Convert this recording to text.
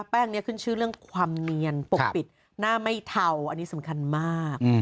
แป้งนี้ขึ้นชื่อเรื่องความเนียนปกปิดหน้าไม่เทาอันนี้สำคัญมาก